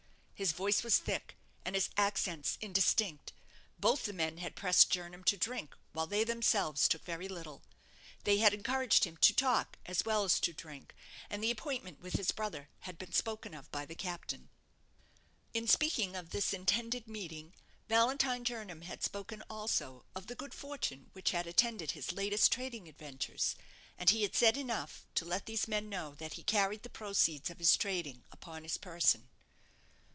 His voice was thick, and his accents indistinct. Both the men had pressed Jernam to drink, while they themselves took very little. They had encouraged him to talk as well as to drink, and the appointment with his brother had been spoken of by the captain. In speaking of this intended meeting, Valentine Jernam had spoken also of the good fortune which had attended his latest trading adventures; and he had said enough to let these men know that he carried the proceeds of his trading upon his person.